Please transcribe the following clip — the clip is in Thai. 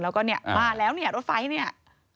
แล้วก็เนี่ยมาแล้วเนี่ยรถไฟเนี่ย